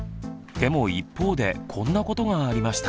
でも一方でこんなことがありました。